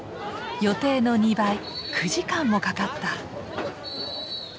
予定の２倍９時間もかかった。